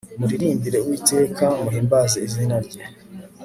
muririmbire uwiteka muhimbaze izina rye